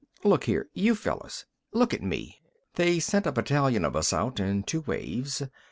"Look here, you fellers. Look at me. They sent a battalion of us out, in two waves.